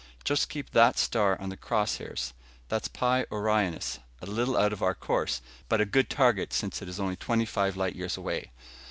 "Just keep that star on the cross hairs. It's Pi Orionis, a little out of our course, but a good target since it is only twenty five light years away.